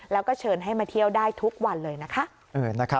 แล้วก็เชิญให้มาเที่ยวได้ทุกวันเลยนะคะ